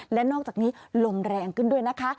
และนอกจากนี้ลมแรงขึ้นด้วยนะคะ